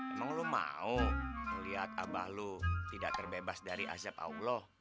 emang lo mau ngeliat abah lu tidak terbebas dari azab allah